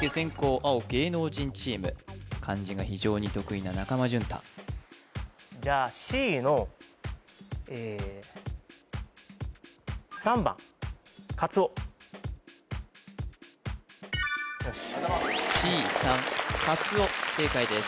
青芸能人チーム漢字が非常に得意な中間淳太じゃあＣのええ３番Ｃ３かつお正解です